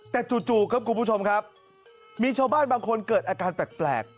แต่จู่ครับคุณผู้ชมครับมีชาวบ้านบางคนเกิดอาการแปลก